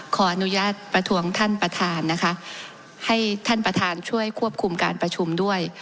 ขออนุญาตประท้วงท่านประธานนะคะให้ท่านประธานช่วยควบคุมการประชุมด้วย